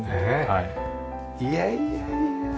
いやいやいや。